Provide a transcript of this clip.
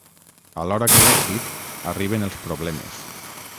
Alhora que l'èxit, arriben els problemes.